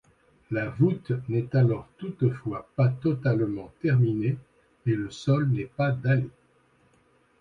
La voûte n'est alors toutefois pas totalement terminée et le sol n'est pas dallé.